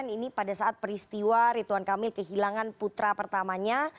ini pada saat peristiwa rituan kamil kehilangan putra pertamanya